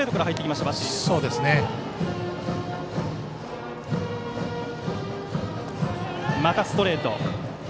またストレート。